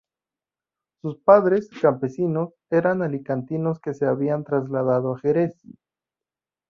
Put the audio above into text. Su padres, campesinos, eran alicantinos que se habían trasladado a Jerez.